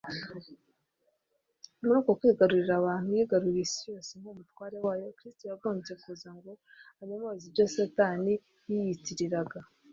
. Muri uko kwigarurira abantu, yigaruriye isi yose nk’umutware wayo. Kristo yagombye kuza ngo anyomoze ibyo Satani yiyitiriraga